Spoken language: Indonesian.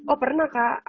oh pernah kak